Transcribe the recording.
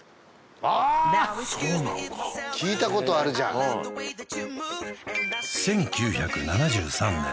そうなのか聞いたことあるじゃんはい１９７３年